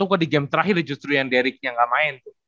gue di game terakhir justru yang derek yang gak main